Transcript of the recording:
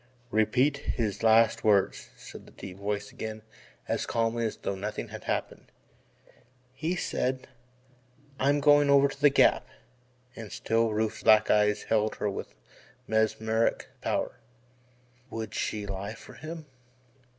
"Repeat his exact words," said the deep voice again as calmly as though nothing had happened. "He said, 'I'm goin' over to the Gap '" and still Rufe's black eyes held her with mesmeric power would she lie for him would she lie for him?